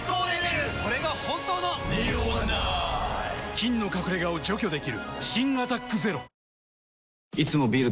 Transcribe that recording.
菌の隠れ家を除去できる新「アタックＺＥＲＯ」いつもビール